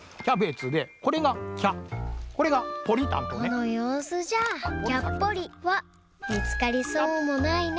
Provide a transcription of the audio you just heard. ・このようすじゃ「きゃっぽり」はみつかりそうもないな。